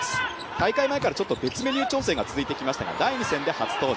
大会前から別メニュー調整が入っていましたけれども第２戦で初登場。